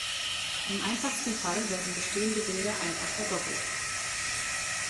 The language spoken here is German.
Im einfachsten Fall werden bestehende Bilder einfach verdoppelt.